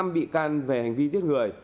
năm bị can về hành vi giết người